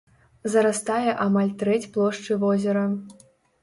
Зарастае амаль трэць плошчы возера.